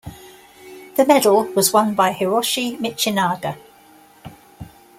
The medal was won by Hiroshi Michinaga.